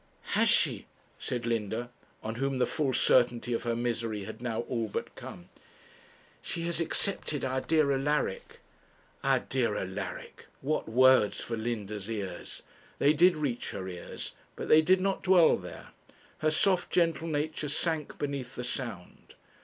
'Has she?' said Linda, on whom the full certainty of her misery had now all but come. 'She has accepted our dear Alaric.' Our dear Alaric! what words for Linda's ears! They did reach her ears, but they did not dwell there her soft gentle nature sank beneath the sound.